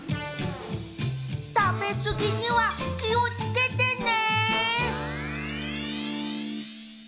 たべすぎにはきをつけてね！